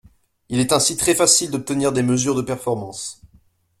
Il est ainsi très facile d’obtenir des mesures de performance.